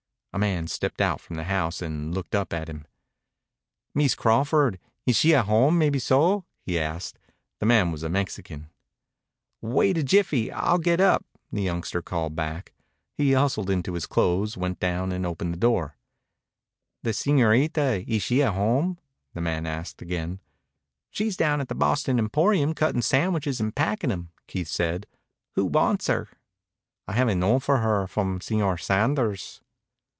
A man stepped out from the house and looked up at him. "Mees Crawford, ees she at home maybeso?" he asked. The man was a Mexican. "Wait a jiffy. I'll get up," the youngster called back. He hustled into his clothes, went down, and opened the door. "The señorita. Ees she at home?" the man asked again. "She's down to the Boston Emporium cuttin' sandwiches an' packin' 'em," Keith said. "Who wants her?" "I have a note for her from Señor Sanders."